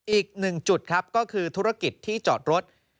อีกหนึ่งจุดครับก็คือธุรกิจที่จอดรถ